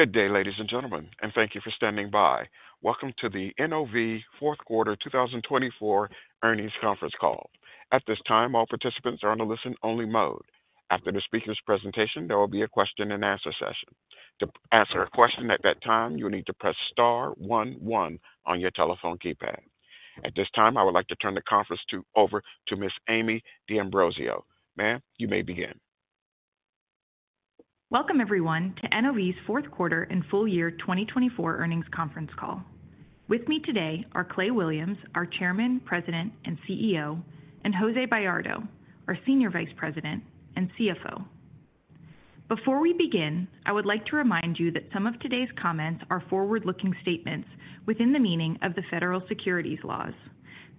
Good day, ladies and gentlemen, and thank you for standing by. Welcome to the NOV Fourth Quarter 2024 Earnings Conference Call. At this time, all participants are in a listen-only mode. After the speaker's presentation, there will be a question and answer session. To answer a question at that time, you'll need to press star one one on your telephone keypad. At this time, I would like to turn the conference over to Ms. Amie D'Ambrosio. Ma'am, you may begin. Welcome, everyone, to NOV's Fourth Quarter and Full Year 2024 Earnings Conference Call. With me today are Clay Williams, our Chairman, President, and CEO, and Jose Bayardo, our Senior Vice President and CFO. Before we begin, I would like to remind you that some of today's comments are forward-looking statements within the meaning of the federal securities laws.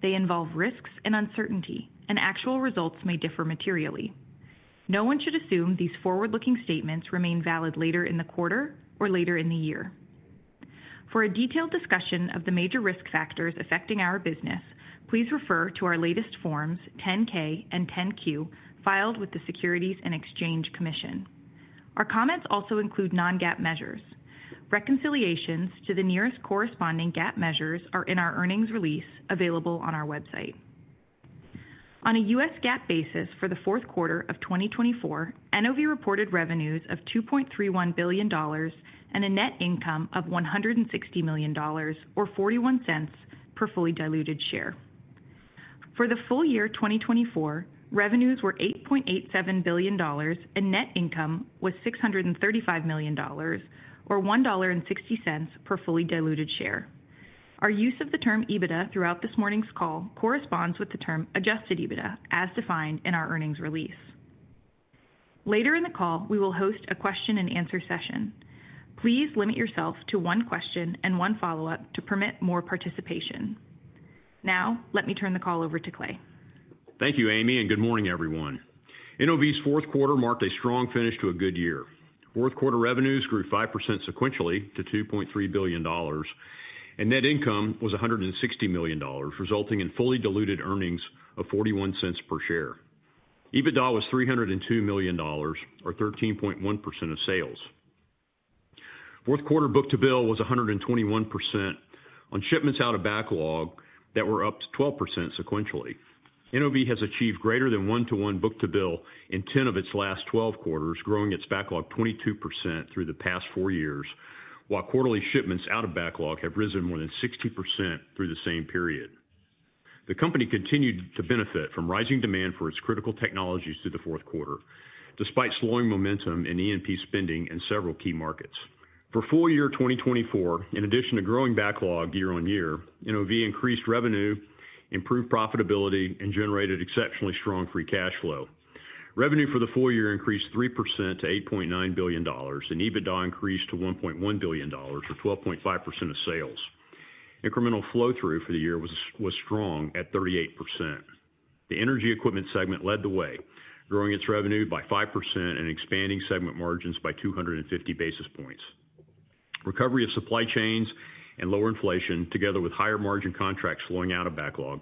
They involve risks and uncertainty, and actual results may differ materially. No one should assume these forward-looking statements remain valid later in the quarter or later in the year. For a detailed discussion of the major risk factors affecting our business, please refer to our latest Form 10-K and Form 10-Q, filed with the Securities and Exchange Commission. Our comments also include non-GAAP measures. Reconciliations to the nearest corresponding GAAP measures are in our earnings release available on our website. On a U.S. GAAP basis for the fourth quarter of 2024, NOV reported revenues of $2.31 billion and a net income of $160 million, or $0.41 per fully diluted share. For the full year 2024, revenues were $8.87 billion, and net income was $635 million, or $1.60 per fully diluted share. Our use of the term EBITDA throughout this morning's call corresponds with the term adjusted EBITDA, as defined in our earnings release. Later in the call, we will host a question and answer session. Please limit yourself to one question and one follow-up to permit more participation. Now, let me turn the call over to Clay. Thank you, Amie, and good morning, everyone. NOV's fourth quarter marked a strong finish to a good year. Fourth quarter revenues grew 5% sequentially to $2.3 billion, and net income was $160 million, resulting in fully diluted earnings of $0.41 per share. EBITDA was $302 million, or 13.1% of sales. Fourth quarter book-to-bill was 121% on shipments out of backlog that were up 12% sequentially. NOV has achieved greater than one-to-one book-to-bill in 10 of its last 12 quarters, growing its backlog 22% through the past four years, while quarterly shipments out of backlog have risen more than 60% through the same period. The company continued to benefit from rising demand for its critical technologies through the fourth quarter, despite slowing momentum in E&P spending in several key markets. For full year 2024, in addition to growing backlog YoY, NOV increased revenue, improved profitability, and generated exceptionally strong free cash flow. Revenue for the full year increased 3% to $8.9 billion, and EBITDA increased to $1.1 billion, or 12.5% of sales. Incremental flow-through for the year was strong at 38%. The energy equipment segment led the way, growing its revenue by 5% and expanding segment margins by 250 basis points. Recovery of supply chains and lower inflation, together with higher margin contracts flowing out of backlog,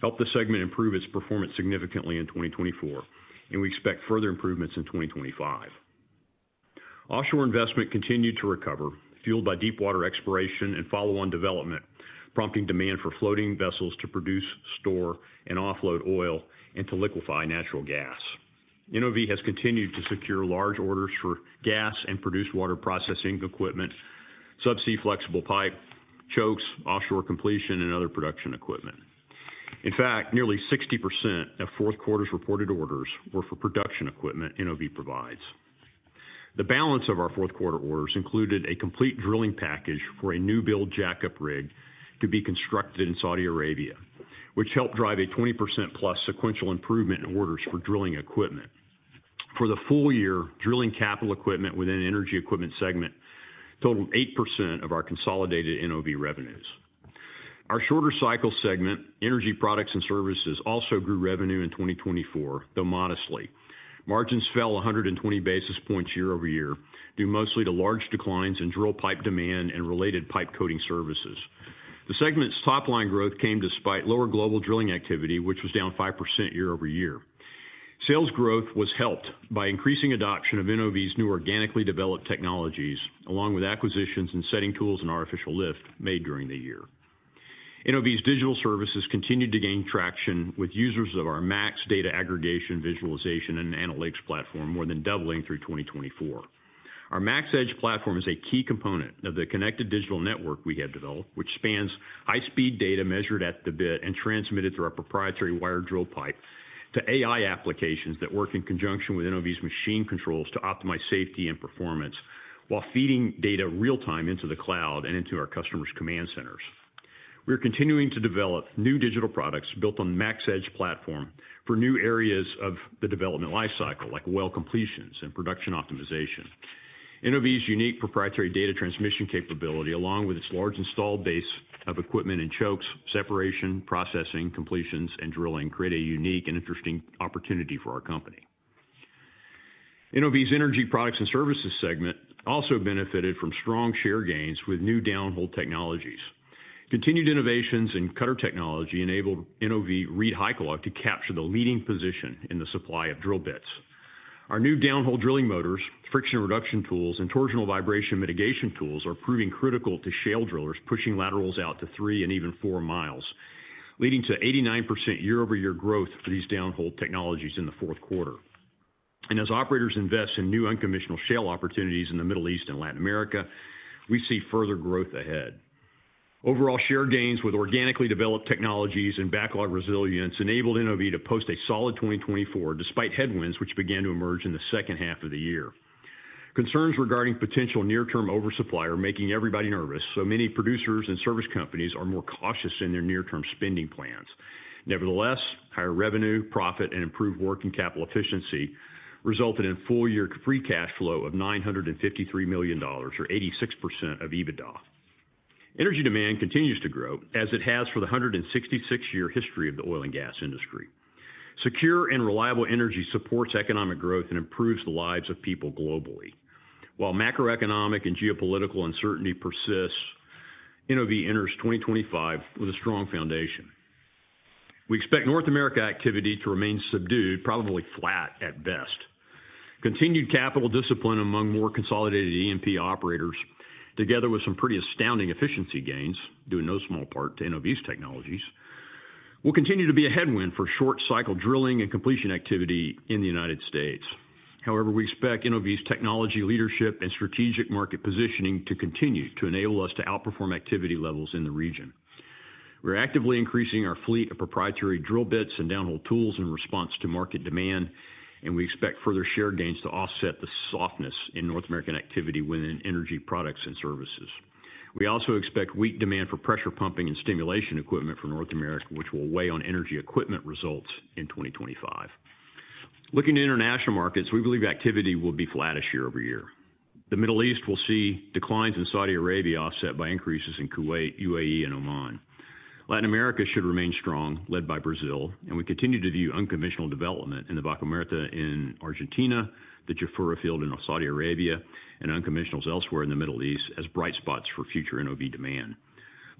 helped the segment improve its performance significantly in 2024, and we expect further improvements in 2025. Offshore investment continued to recover, fueled by deepwater exploration and follow-on development, prompting demand for floating vessels to produce, store, and offload oil and to liquefy natural gas. NOV has continued to secure large orders for gas and produced water processing equipment, subsea flexible pipe, chokes, offshore completion, and other production equipment. In fact, nearly 60% of fourth quarter's reported orders were for production equipment NOV provides. The balance of our fourth quarter orders included a complete drilling package for a new-build jack-up rig to be constructed in Saudi Arabia, which helped drive a 20%+ sequential improvement in orders for drilling equipment. For the full year, drilling capital equipment within energy equipment segment totaled 8% of our consolidated NOV revenues. Our shorter cycle segment, energy products and services, also grew revenue in 2024, though modestly. Margins fell 120 basis points YoY, due mostly to large declines in drill pipe demand and related pipe coating services. The segment's top-line growth came despite lower global drilling activity, which was down 5% YoY. Sales growth was helped by increasing adoption of NOV's new organically developed technologies, along with acquisitions and setting tools in artificial lift made during the year. NOV's digital services continued to gain traction, with users of our Max data aggregation, visualization, and analytics platform more than doubling through 2024. Our Max Edge platform is a key component of the connected digital network we have developed, which spans high-speed data measured at the bit and transmitted through our proprietary wired drill pipe to AI applications that work in conjunction with NOV's machine controls to optimize safety and performance while feeding data real-time into the cloud and into our customers' command centers. We are continuing to develop new digital products built on the Max Edge platform for new areas of the development lifecycle, like well completions and production optimization. NOV's unique proprietary data transmission capability, along with its large installed base of equipment and chokes, separation, processing, completions, and drilling, create a unique and interesting opportunity for our company. NOV's energy products and services segment also benefited from strong share gains with new down-hole technologies. Continued innovations in cutter technology enabled NOV ReedHycalog to capture the leading position in the supply of drill bits. Our new down-hole drilling motors, friction reduction tools, and torsional vibration mitigation tools are proving critical to shale drillers, pushing laterals out to three and even four miles, leading to 89% YoY growth for these down-hole technologies in the fourth quarter. Operators invest in new unconventional shale opportunities in the Middle East and Latin America, we see further growth ahead. Overall share gains with organically developed technologies and backlog resilience enabled NOV to post a solid 2024 despite headwinds which began to emerge in the second half of the year. Concerns regarding potential near-term oversupply are making everybody nervous, so many producers and service companies are more cautious in their near-term spending plans. Nevertheless, higher revenue, profit, and improved working capital efficiency resulted in full-year free cash flow of $953 million, or 86% of EBITDA. Energy demand continues to grow, as it has for the 166-year history of the oil and gas industry. Secure and reliable energy supports economic growth and improves the lives of people globally. While macroeconomic and geopolitical uncertainty persists, NOV enters 2025 with a strong foundation. We expect North America activity to remain subdued, probably flat at best. Continued capital discipline among more consolidated E&P operators, together with some pretty astounding efficiency gains, due in no small part to NOV's technologies, will continue to be a headwind for short-cycle drilling and completion activity in the United States. However, we expect NOV's technology leadership and strategic market positioning to continue to enable us to outperform activity levels in the region. We're actively increasing our fleet of proprietary drill bits and down-hole tools in response to market demand, and we expect further share gains to offset the softness in North American activity within energy products and services. We also expect weak demand for pressure pumping and stimulation equipment for North America, which will weigh on energy equipment results in 2025. Looking to international markets, we believe activity will be flatter YoY. The Middle East will see declines in Saudi Arabia offset by increases in Kuwait, UAE, and Oman. Latin America should remain strong, led by Brazil, and we continue to view unconventional development in the Vaca Muerta in Argentina, the Jafurah Field in Saudi Arabia, and unconventionals elsewhere in the Middle East as bright spots for future NOV demand.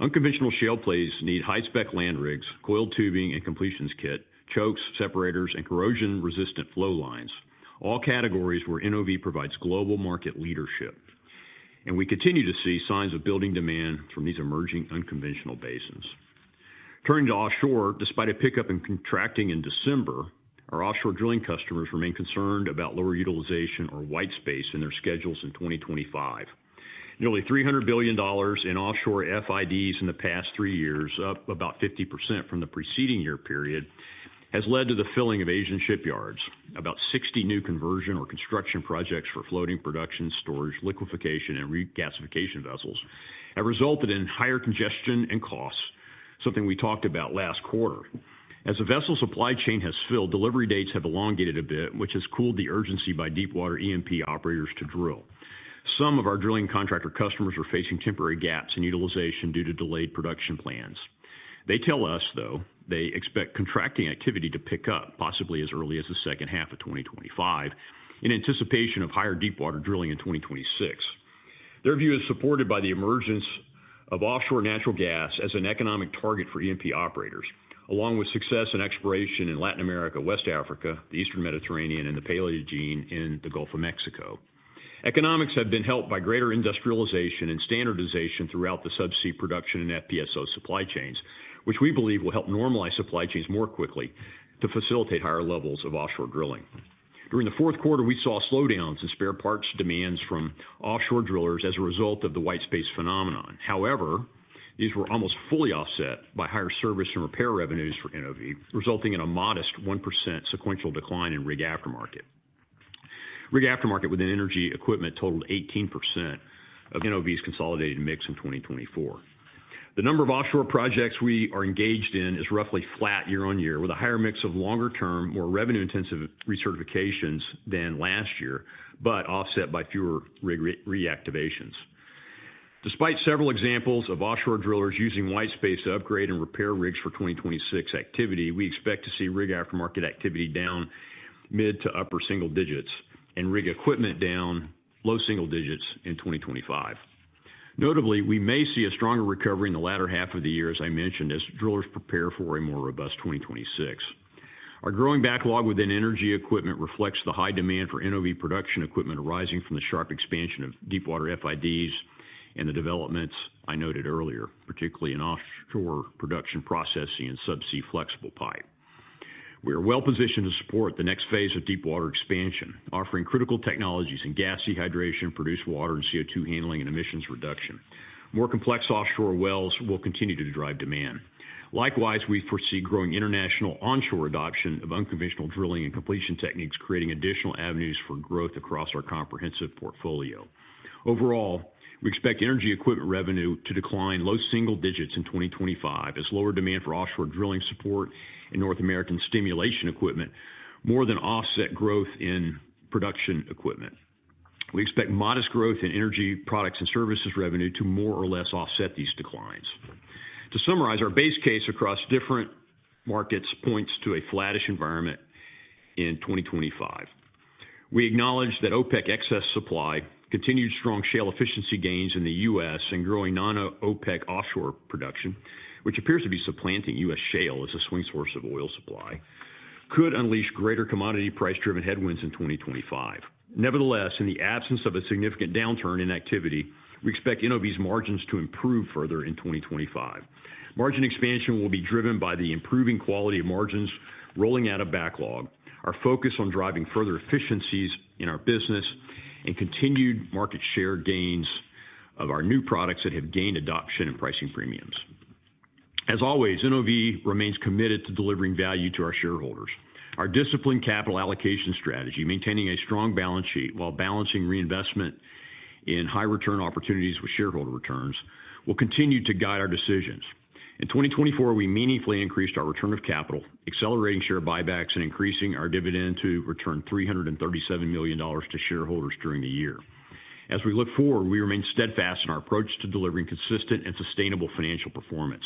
Unconventional shale plays need high-spec land rigs, coiled tubing and completions kit, chokes, separators, and corrosion-resistant flow lines, all categories where NOV provides global market leadership, and we continue to see signs of building demand from these emerging unconventional basins. Turning to offshore, despite a pickup in contracting in December, our offshore drilling customers remain concerned about lower utilization or white space in their schedules in 2025. Nearly $300 billion in offshore FIDs in the past three years, up about 50% from the preceding year period, has led to the filling of Asian shipyards. About 60 new conversion or construction projects for floating production, storage, liquefaction, and regasification vessels have resulted in higher congestion and costs, something we talked about last quarter. As the vessel supply chain has filled, delivery dates have elongated a bit, which has cooled the urgency by deepwater E&P operators to drill. Some of our drilling contractor customers are facing temporary gaps in utilization due to delayed production plans. They tell us, though, they expect contracting activity to pick up, possibly as early as the second half of 2025, in anticipation of higher deepwater drilling in 2026. Their view is supported by the emergence of offshore natural gas as an economic target for E&P operators, along with success and exploration in Latin America, West Africa, the Eastern Mediterranean, and the Paleogene in the Gulf of Mexico. Economics have been helped by greater industrialization and standardization throughout the subsea production and FPSO supply chains, which we believe will help normalize supply chains more quickly to facilitate higher levels of offshore drilling. During the fourth quarter, we saw slowdowns in spare parts demands from offshore drillers as a result of the White Space phenomenon. However, these were almost fully offset by higher service and repair revenues for NOV, resulting in a modest 1% sequential decline in rig aftermarket. Rig aftermarket within energy equipment totaled 18% of NOV's consolidated mix in 2024. The number of offshore projects we are engaged in is roughly flat YoY, with a higher mix of longer-term, more revenue-intensive recertifications than last year, but offset by fewer rig reactivations. Despite several examples of offshore drillers using white space to upgrade and repair rigs for 2026 activity, we expect to see rig aftermarket activity down mid to upper-single digits and rig equipment down low-single digits in 2025. Notably, we may see a stronger recovery in the latter half of the year, as I mentioned, as drillers prepare for a more robust 2026. Our growing backlog within energy equipment reflects the high demand for NOV production equipment arising from the sharp expansion of deep-water FIDs and the developments I noted earlier, particularly in offshore production processing and subsea flexible pipe. We are well-positioned to support the next phase of deep-water expansion, offering critical technologies in gas dehydration, produced water, and CO2 handling and emissions reduction. More complex offshore wells will continue to drive demand. Likewise, we foresee growing international onshore adoption of unconventional drilling and completion techniques, creating additional avenues for growth across our comprehensive portfolio. Overall, we expect energy equipment revenue to decline low-single digits in 2025, as lower demand for offshore drilling support and North American stimulation equipment more than offset growth in production equipment. We expect modest growth in energy products and services revenue to more or less offset these declines. To summarize, our base case across different markets points to a flattish environment in 2025. We acknowledge that OPEC excess supply, continued strong shale efficiency gains in the U.S., and growing non-OPEC offshore production, which appears to be supplanting U.S. shale as a swing source of oil supply, could unleash greater commodity price-driven headwinds in 2025. Nevertheless, in the absence of a significant downturn in activity, we expect NOV's margins to improve further in 2025. Margin expansion will be driven by the improving quality of margins rolling out of backlog, our focus on driving further efficiencies in our business, and continued market share gains of our new products that have gained adoption and pricing premiums. As always, NOV remains committed to delivering value to our shareholders. Our disciplined capital allocation strategy, maintaining a strong balance sheet while balancing reinvestment in high-return opportunities with shareholder returns, will continue to guide our decisions. In 2024, we meaningfully increased our return of capital, accelerating share buybacks and increasing our dividend to return $337 million to shareholders during the year. As we look forward, we remain steadfast in our approach to delivering consistent and sustainable financial performance.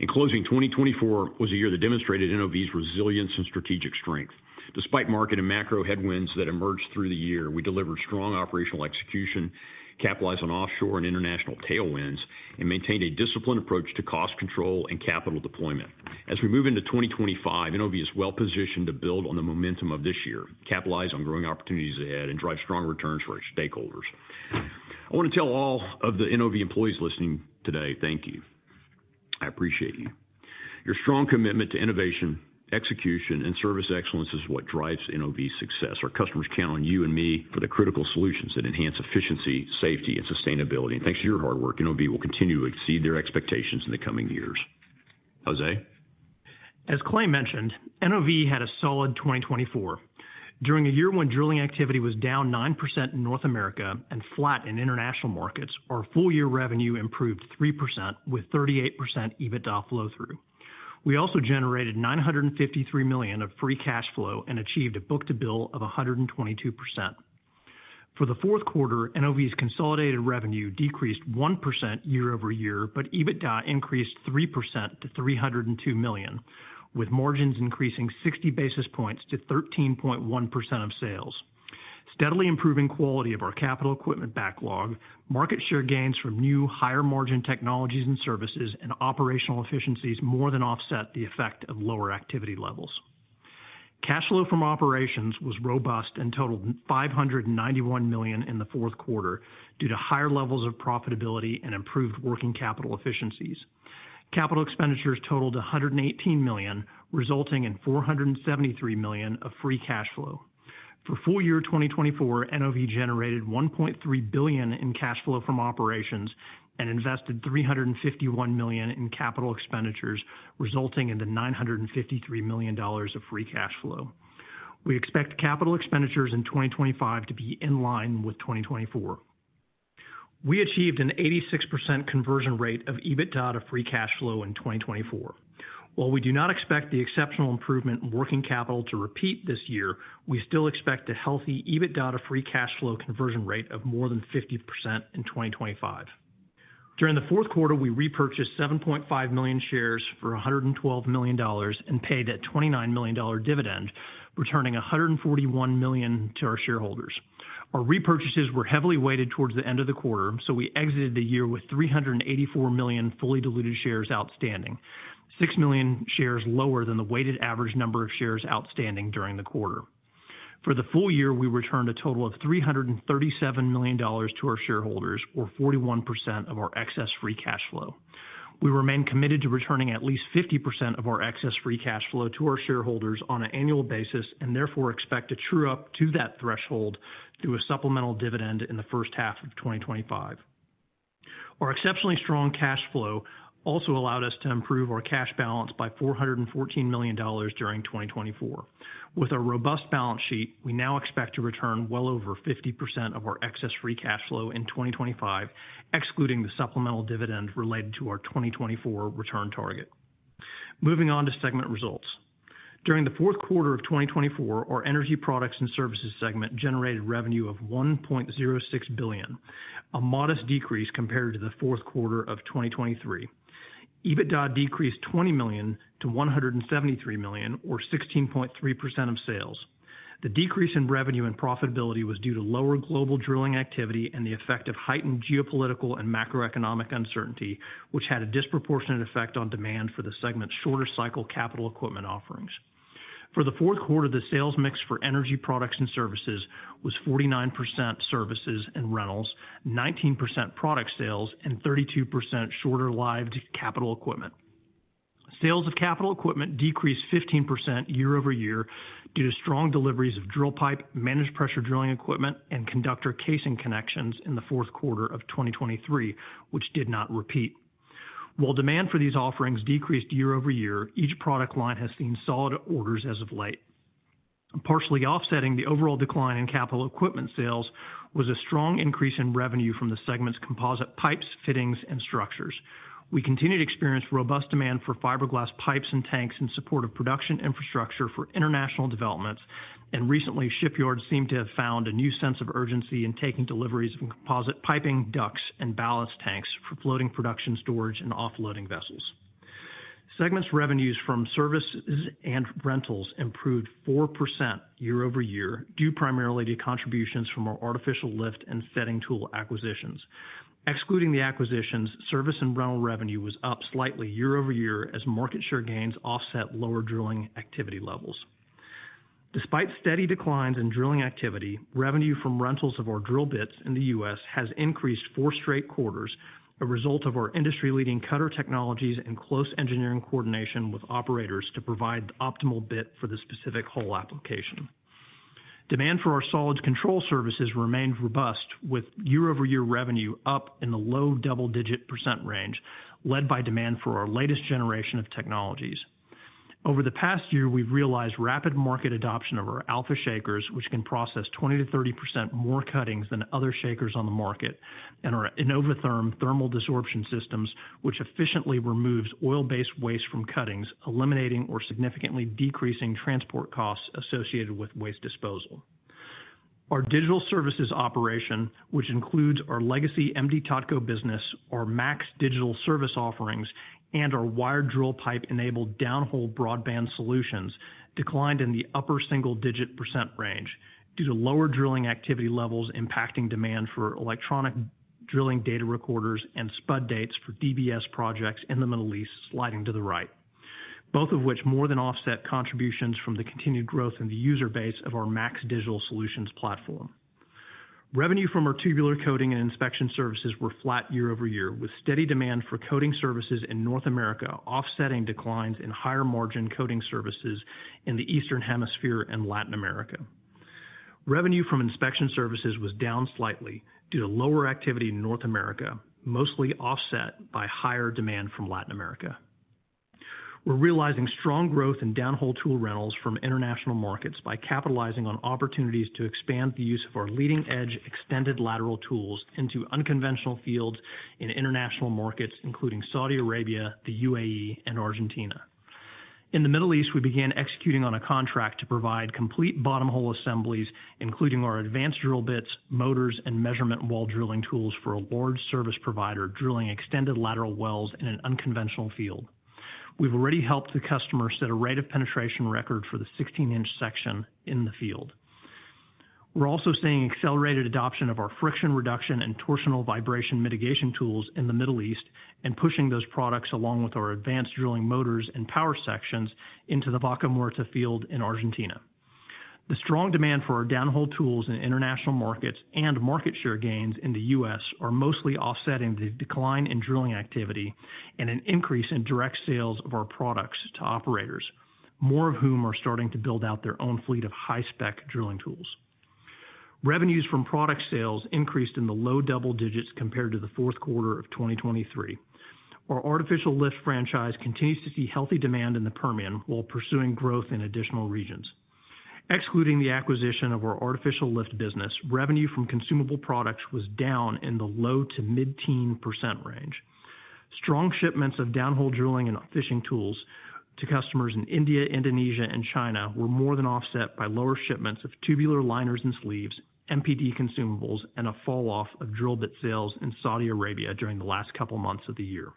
In closing, 2024 was a year that demonstrated NOV's resilience and strategic strength. Despite market and macro headwinds that emerged through the year, we delivered strong operational execution, capitalized on offshore and international tailwinds, and maintained a disciplined approach to cost control and capital deployment. As we move into 2025, NOV is well-positioned to build on the momentum of this year, capitalize on growing opportunities ahead, and drive strong returns for our stakeholders. I want to tell all of the NOV employees listening today, thank you. I appreciate you. Your strong commitment to innovation, execution, and service excellence is what drives NOV's success. Our customers count on you and me for the critical solutions that enhance efficiency, safety, and sustainability, and thanks to your hard work, NOV will continue to exceed their expectations in the coming years. Jose? As Clay mentioned, NOV had a solid 2024. During a year when drilling activity was down 9% in North America and flat in international markets, our full-year revenue improved 3% with 38% EBITDA flow-through. We also generated $953 million of free cash flow and achieved a book-to-bill of 122%. For the fourth quarter, NOV's consolidated revenue decreased 1% YoY, but EBITDA increased 3% to $302 million, with margins increasing 60 basis points to 13.1% of sales. Steadily improving quality of our capital equipment backlog, market share gains from new higher-margin technologies and services, and operational efficiencies more than offset the effect of lower activity levels. Cash flow from operations was robust and totaled $591 million in the fourth quarter due to higher levels of profitability and improved working capital efficiencies. Capital expenditures totaled $118 million, resulting in $473 million of free cash flow. For full-year 2024, NOV generated $1.3 billion in cash flow from operations and invested $351 million in capital expenditures, resulting in the $953 million of free cash flow. We expect capital expenditures in 2025 to be in line with 2024. We achieved an 86% conversion rate of EBITDA to free cash flow in 2024. While we do not expect the exceptional improvement in working capital to repeat this year, we still expect a healthy EBITDA to free cash flow conversion rate of more than 50% in 2025. During the fourth quarter, we repurchased 7.5 million shares for $112 million and paid a $29 million dividend, returning $141 million to our shareholders. Our repurchases were heavily weighted towards the end of the quarter, so we exited the year with 384 million fully diluted shares outstanding, 6 million shares lower than the weighted average number of shares outstanding during the quarter. For the full year, we returned a total of $337 million to our shareholders, or 41% of our excess free cash flow. We remain committed to returning at least 50% of our excess free cash flow to our shareholders on an annual basis and therefore expect to true up to that threshold through a supplemental dividend in the first half of 2025. Our exceptionally strong cash flow also allowed us to improve our cash balance by $414 million during 2024. With our robust balance sheet, we now expect to return well over 50% of our excess free cash flow in 2025, excluding the supplemental dividend related to our 2024 return target. Moving on to segment results. During the fourth quarter of 2024, our energy products and services segment generated revenue of $1.06 billion, a modest decrease compared to the fourth quarter of 2023. EBITDA decreased $20 million to $173 million, or 16.3% of sales. The decrease in revenue and profitability was due to lower global drilling activity and the effect of heightened geopolitical and macroeconomic uncertainty, which had a disproportionate effect on demand for the segment's shorter-cycle capital equipment offerings. For the fourth quarter, the sales mix for energy products and services was 49% services and rentals, 19% product sales, and 32% shorter-lived capital equipment. Sales of capital equipment decreased 15% YoY due to strong deliveries of drill pipe, managed pressure drilling equipment, and conductor casing connections in the fourth quarter of 2023, which did not repeat. While demand for these offerings decreased YoY, each product line has seen solid orders as of late. Partially offsetting the overall decline in capital equipment sales was a strong increase in revenue from the segment's composite pipes, fittings, and structures. We continued to experience robust demand for fiberglass pipes and tanks in support of production infrastructure for international developments, and recently, shipyards seemed to have found a new sense of urgency in taking deliveries of composite piping, ducts, and ballast tanks for floating production storage and offloading vessels. Segment's revenues from services and rentals improved 4% YoY, due primarily to contributions from our artificial lift and fishing tool acquisitions. Excluding the acquisitions, service and rental revenue was up slightly YoY as market share gains offset lower drilling activity levels. Despite steady declines in drilling activity, revenue from rentals of our drill bits in the U.S. has increased four straight quarters, a result of our industry-leading cutter technologies and close engineering coordination with operators to provide the optimal bit for the specific hole application. Demand for our solids control services remained robust, with YoY revenue up in the low-double digit percent range, led by demand for our latest generation of technologies. Over the past year, we've realized rapid market adoption of our Alpha Shakers, which can process 20%-30% more cuttings than other shakers on the market, and our iNOVaTHERM thermal desorption systems, which efficiently removes oil-based waste from cuttings, eliminating or significantly decreasing transport costs associated with waste disposal. Our digital services operation, which includes our legacy M/D Totco business, our Max digital service offerings, and our wired drill pipe-enabled down-hole broadband solutions, declined in the upper-single digit percent range due to lower drilling activity levels impacting demand for electronic drilling data recorders and SPUD dates for DBS projects in the Middle East, sliding to the right, both of which more than offset contributions from the continued growth in the user base of our Max digital solutions platform. Revenue from our tubular coating and inspection services were flat YoY, with steady demand for coating services in North America offsetting declines in higher-margin coating services in the Eastern Hemisphere and Latin America. Revenue from inspection services was down slightly due to lower activity in North America, mostly offset by higher demand from Latin America. We're realizing strong growth in down-hole tool rentals from international markets by capitalizing on opportunities to expand the use of our leading-edge extended lateral tools into unconventional fields in international markets, including Saudi Arabia, the UAE, and Argentina. In the Middle East, we began executing on a contract to provide complete bottom-hole assemblies, including our advanced drill bits, motors, and measurement-while-drilling tools for a large service provider drilling extended lateral wells in an unconventional field. We've already helped the customer set a rate of penetration record for the 16-inch section in the field. We're also seeing accelerated adoption of our friction reduction and torsional vibration mitigation tools in the Middle East and pushing those products along with our advanced drilling motors and power sections into the Vaca Muerta field in Argentina. The strong demand for our down-hole tools in international markets and market share gains in the U.S. are mostly offsetting the decline in drilling activity and an increase in direct sales of our products to operators, more of whom are starting to build out their own fleet of high-spec drilling tools. Revenues from product sales increased in the low double digits compared to the fourth quarter of 2023. Our artificial lift franchise continues to see healthy demand in the Permian while pursuing growth in additional regions. Excluding the acquisition of our artificial lift business, revenue from consumable products was down in the low to mid-teen percent range. Strong shipments of down-hole drilling and fishing tools to customers in India, Indonesia, and China were more than offset by lower shipments of tubular liners and sleeves, MPD consumables, and a falloff of drill bit sales in Saudi Arabia during the last couple of months of the year.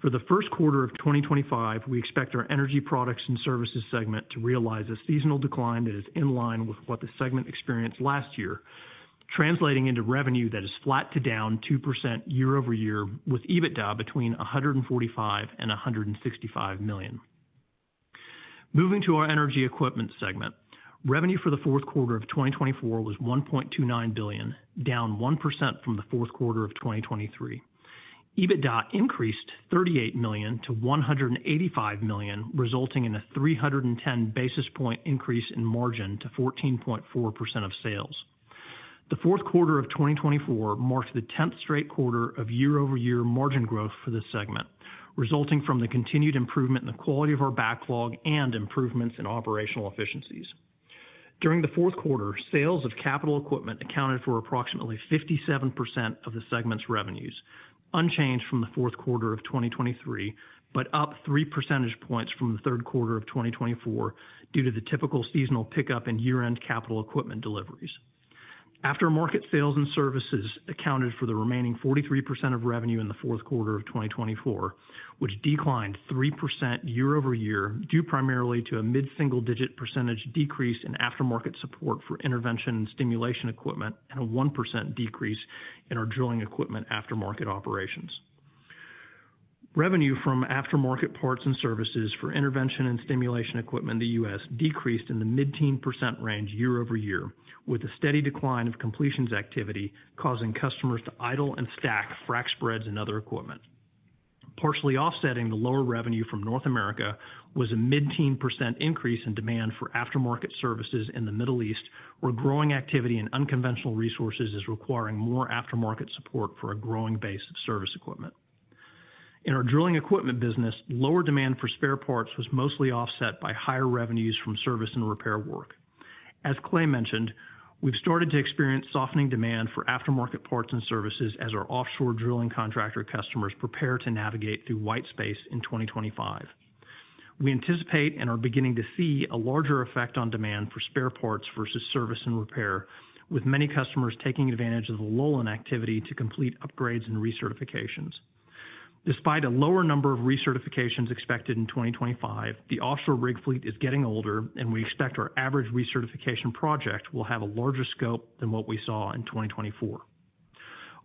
For the first quarter of 2025, we expect our energy products and services segment to realize a seasonal decline that is in line with what the segment experienced last year, translating into revenue that is flat to down 2% YoY, with EBITDA between $145 million-$165 million. Moving to our energy equipment segment, revenue for the fourth quarter of 2024 was $1.29 billion, down 1% from the fourth quarter of 2023. EBITDA increased $38 million to $185 million, resulting in a 310 basis points increase in margin to 14.4% of sales. The fourth quarter of 2024 marked the 10th straight quarter of YoY margin growth for this segment, resulting from the continued improvement in the quality of our backlog and improvements in operational efficiencies. During the fourth quarter, sales of capital equipment accounted for approximately 57% of the segment's revenues, unchanged from the fourth quarter of 2023, but up 3 percentage points from the third quarter of 2024 due to the typical seasonal pickup in year-end capital equipment deliveries. Aftermarket sales and services accounted for the remaining 43% of revenue in the fourth quarter of 2024, which declined 3% YoY, due primarily to a mid-single digit percentage decrease in aftermarket support for intervention and stimulation equipment and a 1% decrease in our drilling equipment aftermarket operations. Revenue from aftermarket parts and services for intervention and stimulation equipment in the U.S. decreased in the mid-teen percent range YoY, with a steady decline of completions activity causing customers to idle and stack frac spreads and other equipment. Partially offsetting the lower revenue from North America was a mid-teen percent increase in demand for aftermarket services in the Middle East, where growing activity in unconventional resources is requiring more aftermarket support for a growing base of service equipment. In our drilling equipment business, lower demand for spare parts was mostly offset by higher revenues from service and repair work. As Clay mentioned, we've started to experience softening demand for aftermarket parts and services as our offshore drilling contractor customers prepare to navigate through white space in 2025. We anticipate and are beginning to see a larger effect on demand for spare parts versus service and repair, with many customers taking advantage of the lull in activity to complete upgrades and recertifications. Despite a lower number of recertifications expected in 2025, the offshore rig fleet is getting older, and we expect our average recertification project will have a larger scope than what we saw in 2024.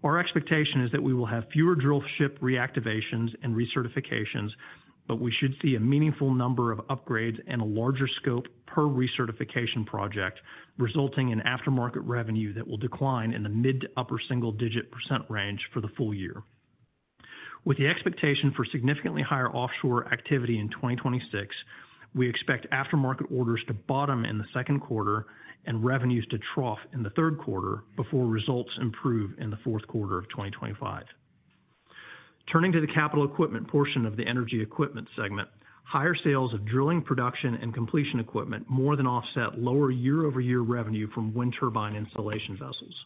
Our expectation is that we will have fewer drill ship reactivations and recertifications, but we should see a meaningful number of upgrades and a larger scope per recertification project, resulting in aftermarket revenue that will decline in the mid to upper-single digit percent range for the full year. With the expectation for significantly higher offshore activity in 2026, we expect aftermarket orders to bottom in the second quarter and revenues to trough in the third quarter before results improve in the fourth quarter of 2025. Turning to the capital equipment portion of the energy equipment segment, higher sales of drilling production and completion equipment more than offset lower YoY revenue from wind turbine installation vessels.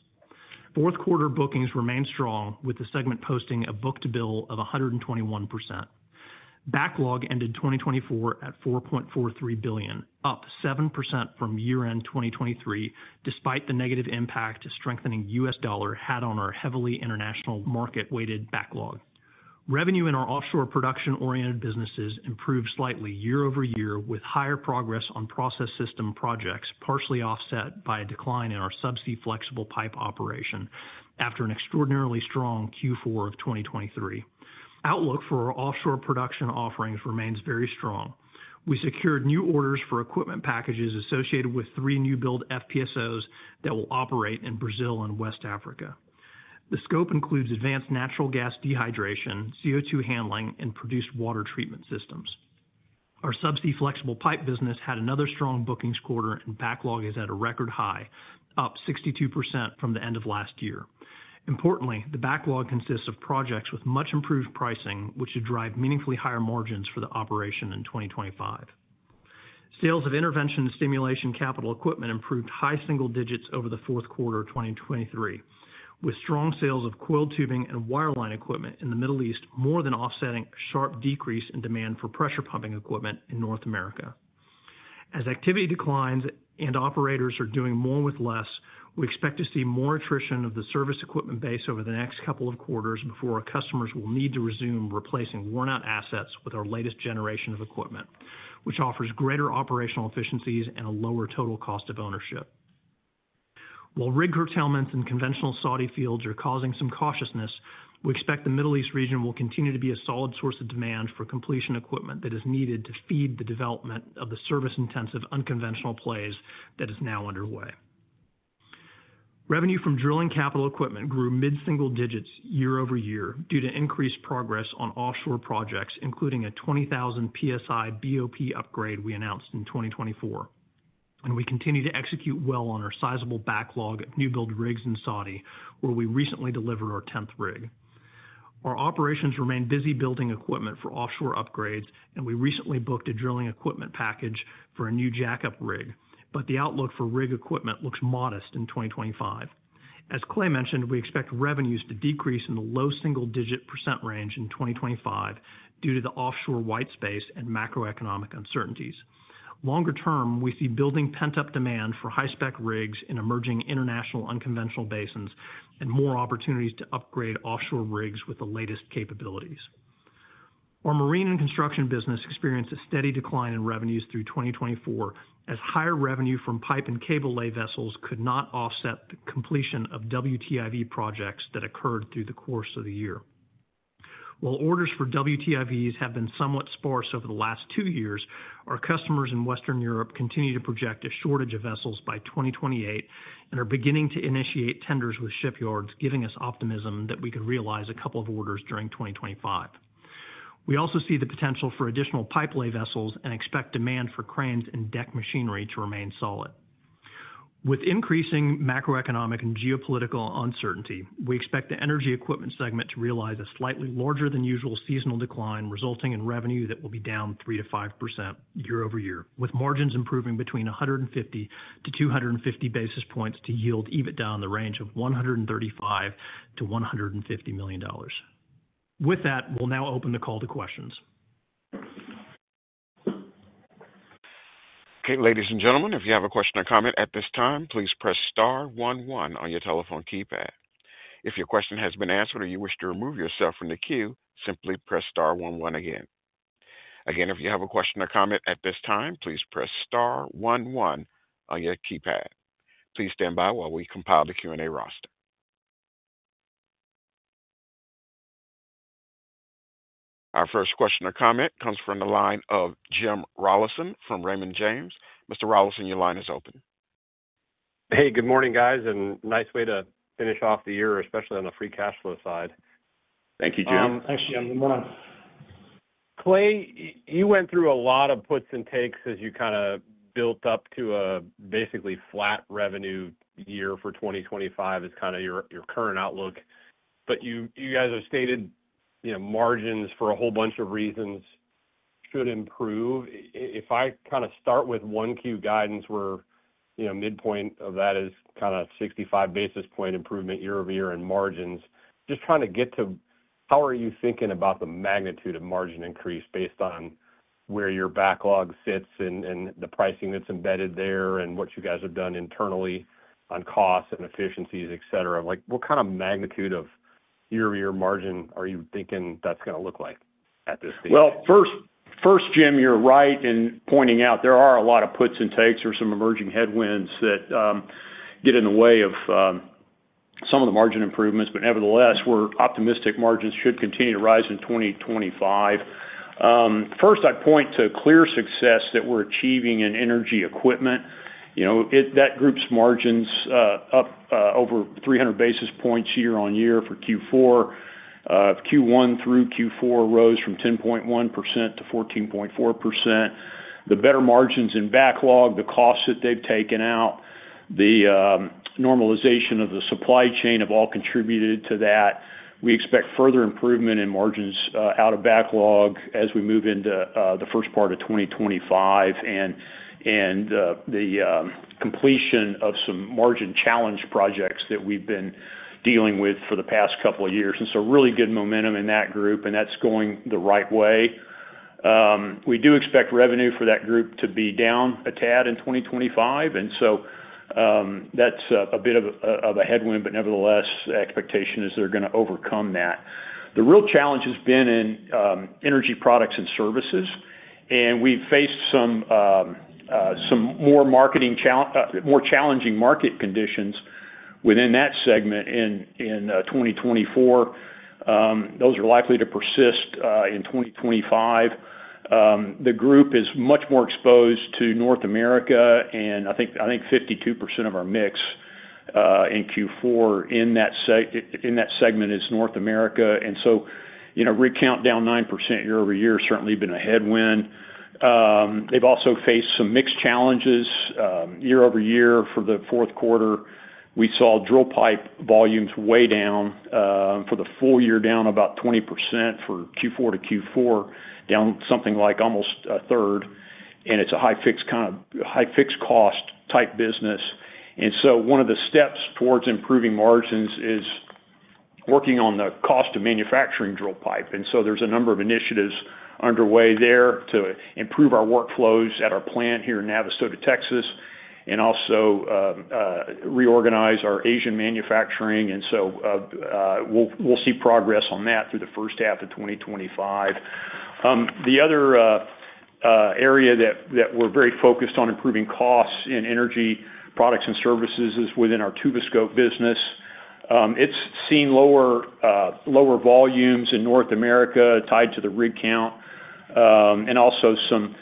Fourth quarter bookings remain strong, with the segment posting a book-to-bill of 121%. Backlog ended 2024 at $4.43 billion, up 7% from year-end 2023, despite the negative impact strengthening U.S. dollar had on our heavily international market-weighted backlog. Revenue in our offshore production-oriented businesses improved slightly YoY, with higher progress on process system projects partially offset by a decline in our subsea flexible pipe operation after an extraordinarily strong Q4 of 2023. Outlook for our offshore production offerings remains very strong. We secured new orders for equipment packages associated with three new-build FPSOs that will operate in Brazil and West Africa. The scope includes advanced natural gas dehydration, CO2 handling, and produced water treatment systems. Our subsea flexible pipe business had another strong bookings quarter, and backlog is at a record high, up 62% from the end of last year. Importantly, the backlog consists of projects with much improved pricing, which should drive meaningfully higher margins for the operation in 2025. Sales of intervention and stimulation capital equipment improved high-single digits over the fourth quarter of 2023, with strong sales of coiled tubing and wireline equipment in the Middle East more than offsetting a sharp decrease in demand for pressure pumping equipment in North America. As activity declines and operators are doing more with less, we expect to see more attrition of the service equipment base over the next couple of quarters before our customers will need to resume replacing worn-out assets with our latest generation of equipment, which offers greater operational efficiencies and a lower total cost of ownership. While rig curtailments in conventional Saudi fields are causing some cautiousness, we expect the Middle East region will continue to be a solid source of demand for completion equipment that is needed to feed the development of the service-intensive unconventional plays that is now underway. Revenue from drilling capital equipment grew mid-single digits YoY due to increased progress on offshore projects, including a 20,000 PSI BOP upgrade we announced in 2024. And we continue to execute well on our sizable backlog of new-build rigs in Saudi, where we recently delivered our 10th rig. Our operations remain busy building equipment for offshore upgrades, and we recently booked a drilling equipment package for a new jackup rig, but the outlook for rig equipment looks modest in 2025. As Clay mentioned, we expect revenues to decrease in the low-single digit percent range in 2025 due to the offshore white space and macroeconomic uncertainties. Longer term, we see building pent-up demand for high-spec rigs in emerging international unconventional basins and more opportunities to upgrade offshore rigs with the latest capabilities. Our marine and construction business experienced a steady decline in revenues through 2024 as higher revenue from pipe and cable-lay vessels could not offset the completion of WTIV projects that occurred through the course of the year. While orders for WTIVs have been somewhat sparse over the last two years, our customers in Western Europe continue to project a shortage of vessels by 2028 and are beginning to initiate tenders with shipyards, giving us optimism that we could realize a couple of orders during 2025. We also see the potential for additional pipe-lay vessels and expect demand for cranes and deck machinery to remain solid. With increasing macroeconomic and geopolitical uncertainty, we expect the energy equipment segment to realize a slightly larger than usual seasonal decline, resulting in revenue that will be down 3%-5% YoY, with margins improving between 150 to 250 basis points to yield EBITDA in the range of $135 million-$150 million. With that, we'll now open the call to questions. Okay, ladies and gentlemen, if you have a question or comment at this time, please press star one one on your telephone keypad. If your question has been answered or you wish to remove yourself from the queue, simply press star one one again. Again, if you have a question or comment at this time, please press star one one on your keypad. Please stand by while we compile the Q&A roster. Our first question or comment comes from the line of Jim Rollyson from Raymond James. Mr. Rollyson, your line is open. Hey, good morning, guys, and nice way to finish off the year, especially on the free cash flow side. Thank you, Jim. Thanks, Jim. Good morning. Clay, you went through a lot of puts and takes as you kind of built up to a basically flat revenue year for 2025 as kind of your current outlook. But you guys have stated margins for a whole bunch of reasons should improve. If I kind of start with 1Q guidance, where midpoint of that is kind of 65 basis point improvement YoY in margins, just trying to get to how are you thinking about the magnitude of margin increase based on where your backlog sits and the pricing that's embedded there and what you guys have done internally on costs and efficiencies, etc. What kind of magnitude of YoY margin are you thinking that's going to look like at this stage? Well, first, Jim, you're right in pointing out there are a lot of puts and takes or some emerging headwinds that get in the way of some of the margin improvements. But nevertheless, we're optimistic. Margins should continue to rise in 2025. First, I'd point to clear success that we're achieving in energy equipment. That group's margins up over 300 basis points YoY for Q4. Q1 through Q4 rose from 10.1% to 14.4%. The better margins in backlog, the costs that they've taken out, the normalization of the supply chain have all contributed to that. We expect further improvement in margins out of backlog as we move into the first part of 2025 and the completion of some margin challenge projects that we've been dealing with for the past couple of years. And so really good momentum in that group, and that's going the right way. We do expect revenue for that group to be down a tad in 2025, and so that's a bit of a headwind, but nevertheless, the expectation is they're going to overcome that. The real challenge has been in energy products and services, and we've faced some more challenging market conditions within that segment in 2024. Those are likely to persist in 2025. The group is much more exposed to North America, and I think 52% of our mix in Q4 in that segment is North America, and so revenue down 9% YoY has certainly been a headwind. They've also faced some mix challenges YoY. For the fourth quarter, we saw drill pipe volumes way down for the full year, down about 20% for Q4 to Q4, down something like almost a third. And it's a high-fixed cost type business. And so one of the steps towards improving margins is working on the cost of manufacturing drill pipe. And so there's a number of initiatives underway there to improve our workflows at our plant here in Navasota, Texas, and also reorganize our Asian manufacturing. And so we'll see progress on that through the first half of 2025. The other area that we're very focused on improving costs in energy products and services is within our Tuboscope business. It's seen lower volumes in North America tied to the rig count and also some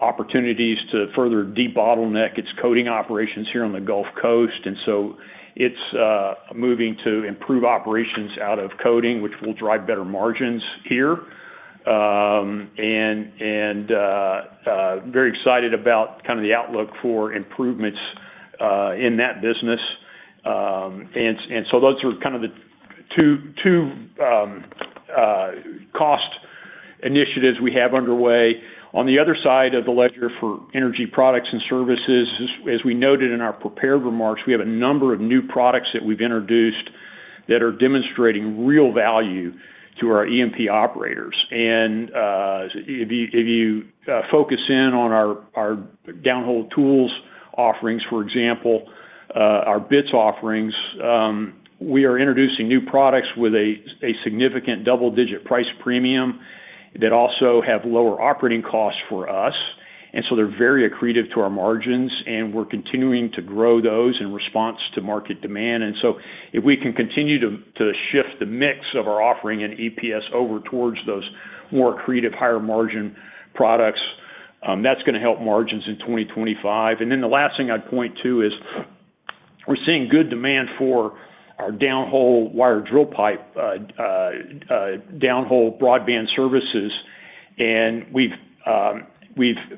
opportunities to further debottleneck its coating operations here on the Gulf Coast, and so it's moving to improve operations out of coating, which will drive better margins here, and very excited about kind of the outlook for improvements in that business, and so those are kind of the two cost initiatives we have underway. On the other side of the ledger for energy products and services, as we noted in our prepared remarks, we have a number of new products that we've introduced that are demonstrating real value to our E&P operators. And if you focus in on our downhole tools offerings, for example, our bits offerings, we are introducing new products with a significant double-digit price premium that also have lower operating costs for us. And so they're very accretive to our margins, and we're continuing to grow those in response to market demand. And so if we can continue to shift the mix of our offering and EPS over towards those more accretive, higher margin products, that's going to help margins in 2025. And then the last thing I'd point to is we're seeing good demand for our downhole wired drill pipe downhole broadband services. And we've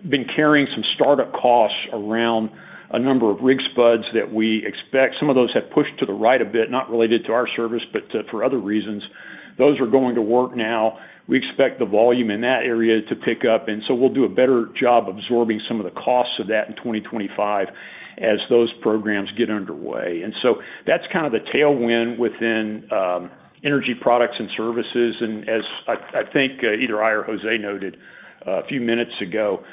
been carrying some startup costs around a number of rig spuds that we expect. Some of those have pushed to the right a bit, not related to our service, but for other reasons. Those are going to work now. We expect the volume in that area to pick up, and so we'll do a better job absorbing some of the costs of that in 2025 as those programs get underway, and so that's kind of the tailwind within energy products and services, and as I think either I or Jose noted a few minutes ago,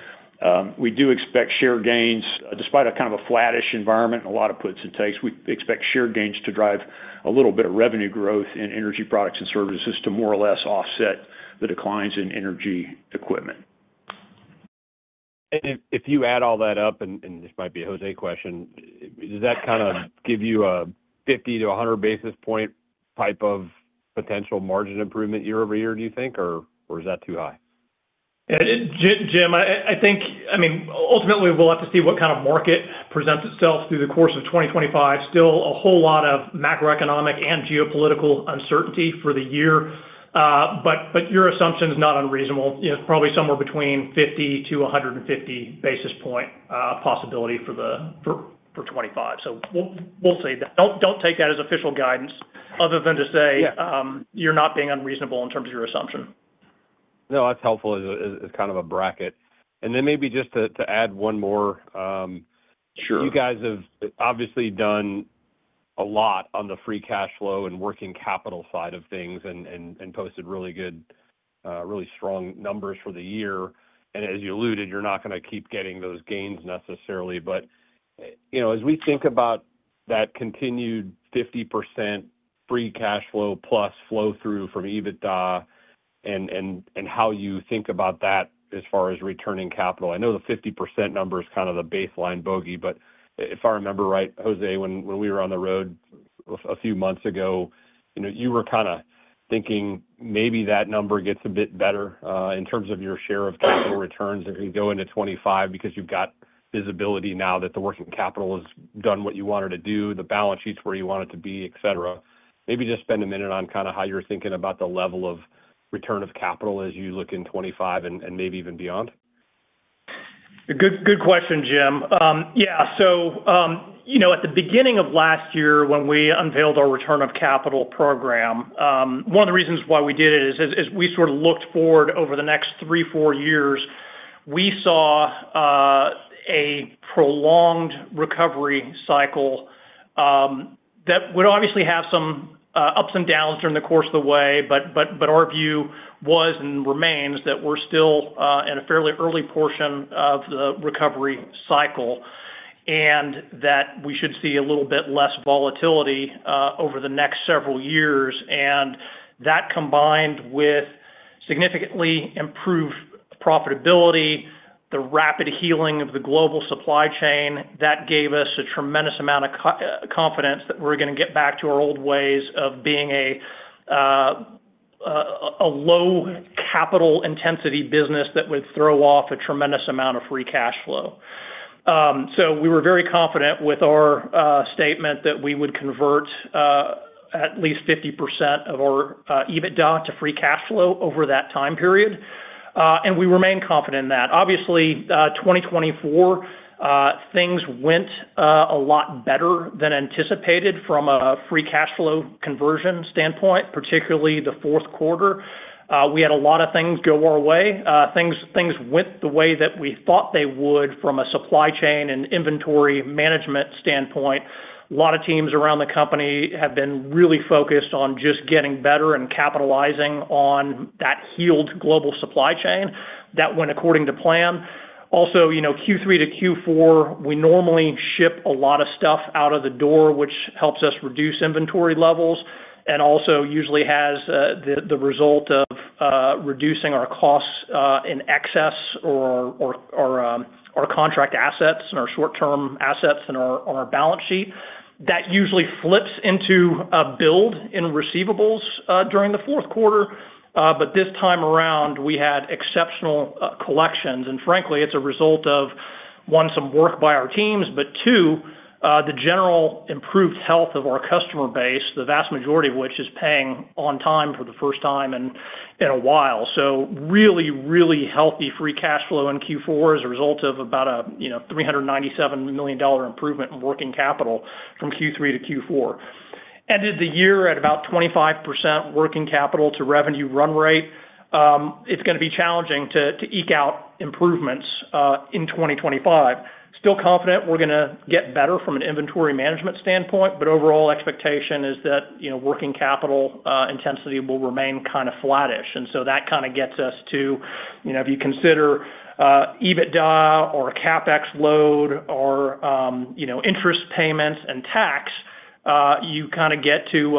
we do expect share gains. Despite kind of a flattish environment and a lot of puts and takes, we expect share gains to drive a little bit of revenue growth in energy products and services to more or less offset the declines in energy equipment. And if you add all that up, and this might be a Jose question, does that kind of give you a 50-100 basis point type of potential margin improvement YoY, do you think, or is that too high? Jim, I think, I mean, ultimately, we'll have to see what kind of market presents itself through the course of 2025. Still a whole lot of macroeconomic and geopolitical uncertainty for the year, but your assumption is not unreasonable. It's probably somewhere between 50 to 150 basis point possibility for 2025. So we'll say that. Don't take that as official guidance other than to say you're not being unreasonable in terms of your assumption. No, that's helpful as kind of a bracket. And then maybe just to add one more. Sure. You guys have obviously done a lot on the free cash flow and working capital side of things and posted really strong numbers for the year. And as you alluded, you're not going to keep getting those gains necessarily. But as we think about that continued 50% free cash flow plus flow through from EBITDA and how you think about that as far as returning capital, I know the 50% number is kind of the baseline bogey, but if I remember right, Jose, when we were on the road a few months ago, you were kind of thinking maybe that number gets a bit better in terms of your share of capital returns as we go into 2025 because you've got visibility now that the working capital has done what you wanted to do, the balance sheet's where you want it to be, etc. Maybe just spend a minute on kind of how you're thinking about the level of return of capital as you look in 2025 and maybe even beyond. Good question, Jim. Yeah. So at the beginning of last year, when we unveiled our return of capital program, one of the reasons why we did it is we sort of looked forward over the next three, four years. We saw a prolonged recovery cycle that would obviously have some ups and downs during the course of the way, but our view was and remains that we're still in a fairly early portion of the recovery cycle and that we should see a little bit less volatility over the next several years. And that combined with significantly improved profitability, the rapid healing of the global supply chain, that gave us a tremendous amount of confidence that we're going to get back to our old ways of being a low capital intensity business that would throw off a tremendous amount of free cash flow. So we were very confident with our statement that we would convert at least 50% of our EBITDA to free cash flow over that time period. And we remain confident in that. Obviously, 2024, things went a lot better than anticipated from a free cash flow conversion standpoint, particularly the fourth quarter. We had a lot of things go our way. Things went the way that we thought they would from a supply chain and inventory management standpoint. A lot of teams around the company have been really focused on just getting better and capitalizing on that healed global supply chain that went according to plan. Also, Q3 to Q4, we normally ship a lot of stuff out of the door, which helps us reduce inventory levels and also usually has the result of reducing our costs in excess or our contract assets and our short-term assets and our balance sheet. That usually flips into a build in receivables during the fourth quarter. But this time around, we had exceptional collections. And frankly, it's a result of, one, some work by our teams, but two, the general improved health of our customer base, the vast majority of which is paying on time for the first time in a while. So really, really healthy free cash flow in Q4 as a result of about a $397 million improvement in working capital from Q3 to Q4. Ended the year at about 25% working capital to revenue run rate. It's going to be challenging to eke out improvements in 2025. Still confident we're going to get better from an inventory management standpoint, but overall expectation is that working capital intensity will remain kind of flattish, and so that kind of gets us to, if you consider EBITDA or a CapEx load or interest payments and tax, you kind of get to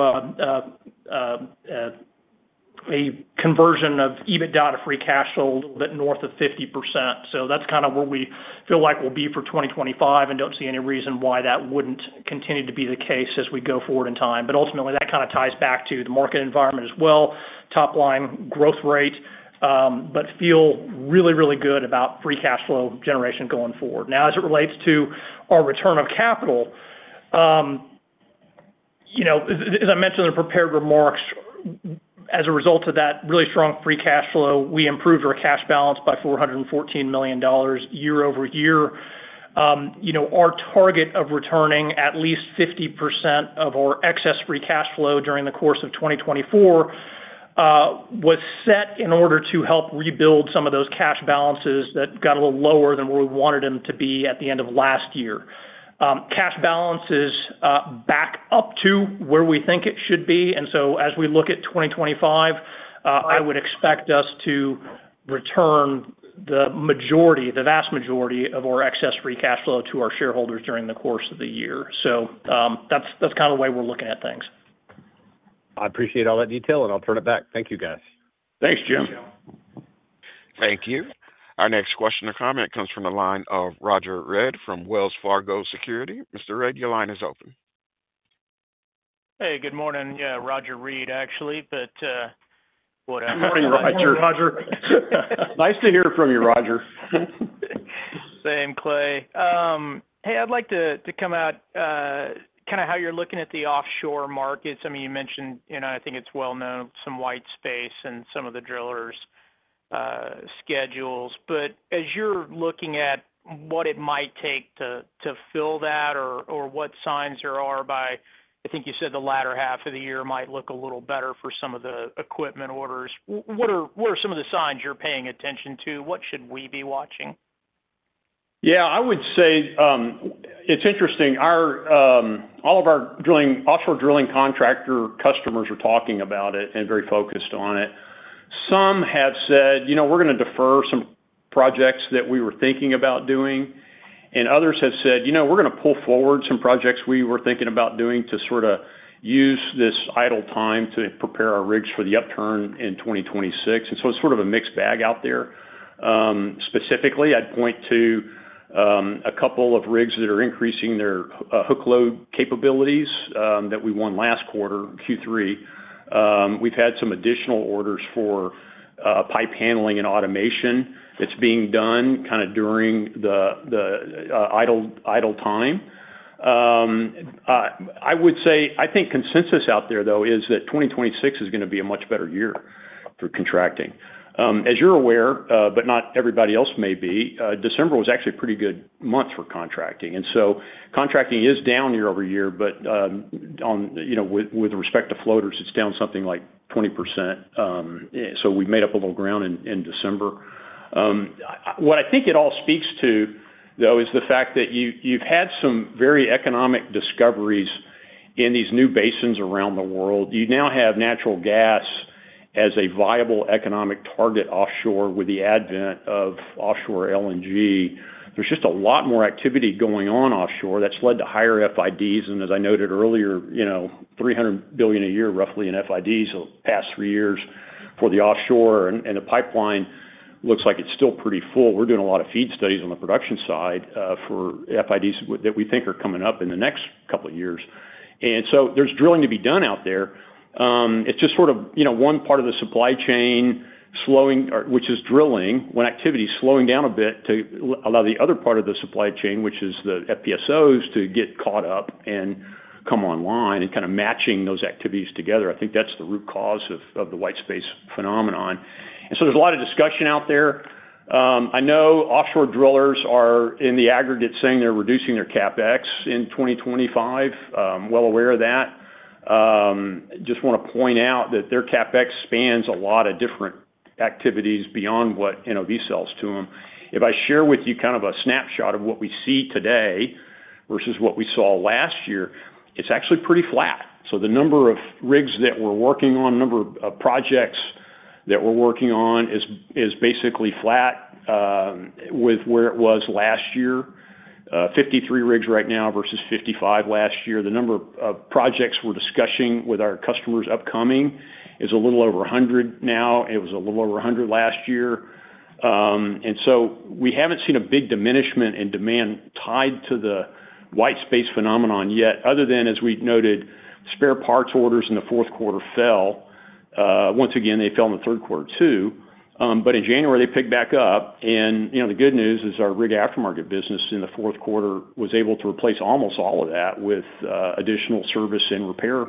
a conversion of EBITDA to free cash flow a little bit north of 50%, so that's kind of where we feel like we'll be for 2025 and don't see any reason why that wouldn't continue to be the case as we go forward in time, but ultimately, that kind of ties back to the market environment as well, top-line growth rate, but feel really, really good about free cash flow generation going forward. Now, as it relates to our return of capital, as I mentioned in prepared remarks, as a result of that really strong free cash flow, we improved our cash balance by $414 million YoY. Our target of returning at least 50% of our excess free cash flow during the course of 2024 was set in order to help rebuild some of those cash balances that got a little lower than where we wanted them to be at the end of last year. Cash balance is back up to where we think it should be, and so as we look at 2025, I would expect us to return the vast majority of our excess free cash flow to our shareholders during the course of the year, so that's kind of the way we're looking at things. I appreciate all that detail, and I'll turn it back. Thank you, guys. Thanks, Jim. Thank you. Our next question or comment comes from the line of Roger Read from Wells Fargo Securities. Mr. Read, your line is open. Hey, good morning. Yeah, Roger Read, actually, but whatever. Good morning, Roger. Nice to hear from you, Roger. Same, Clay. Hey, I'd like to come at kind of how you're looking at the offshore markets. I mean, you mentioned, and I think it's well known, some white space and some of the drillers' schedules. But as you're looking at what it might take to fill that or what signs there are by, I think you said the latter half of the year might look a little better for some of the equipment orders. What are some of the signs you're paying attention to? What should we be watching? Yeah, I would say it's interesting. All of our offshore drilling contractor customers are talking about it and very focused on it. Some have said, "We're going to defer some projects that we were thinking about doing." And others have said, "We're going to pull forward some projects we were thinking about doing to sort of use this idle time to prepare our rigs for the upturn in 2026." And so it's sort of a mixed bag out there. Specifically, I'd point to a couple of rigs that are increasing their hook load capabilities that we won last quarter, Q3. We've had some additional orders for pipe handling and automation that's being done kind of during the idle time. I would say I think consensus out there, though, is that 2026 is going to be a much better year for contracting. As you're aware, but not everybody else may be, December was actually a pretty good month for contracting, and so contracting is down YoY, but with respect to floaters, it's down something like 20%. So we made up a little ground in December. What I think it all speaks to, though, is the fact that you've had some very economic discoveries in these new basins around the world. You now have natural gas as a viable economic target offshore with the advent of offshore LNG. There's just a lot more activity going on offshore that's led to higher FIDs, and as I noted earlier, $300 billion a year, roughly, in FIDs over the past three years for the offshore, and the pipeline looks like it's still pretty full. We're doing a lot of feed studies on the production side for FIDs that we think are coming up in the next couple of years, and so there's drilling to be done out there. It's just sort of one part of the supply chain slowing, which is drilling, when activity is slowing down a bit to allow the other part of the supply chain, which is the FPSOs, to get caught up and come online and kind of matching those activities together. I think that's the root cause of the white space phenomenon, and so there's a lot of discussion out there. I know offshore drillers are in the aggregate saying they're reducing their CapEx in 2025, well aware of that. Just want to point out that their CapEx spans a lot of different activities beyond what NOV sells to them. If I share with you kind of a snapshot of what we see today versus what we saw last year, it's actually pretty flat. So the number of rigs that we're working on, the number of projects that we're working on is basically flat with where it was last year. 53 rigs right now versus 55 last year. The number of projects we're discussing with our customers upcoming is a little over 100 now. It was a little over 100 last year. And so we haven't seen a big diminishment in demand tied to the White Space phenomenon yet, other than, as we noted, spare parts orders in the fourth quarter fell. Once again, they fell in the third quarter too. But in January, they picked back up. The good news is our rig aftermarket business in the fourth quarter was able to replace almost all of that with additional service and repair